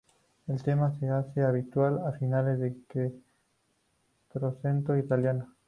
El tema se hace habitual a finales del "Quattrocento" italiano.